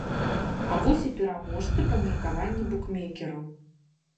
А вось і пераможца па меркаванні букмекераў.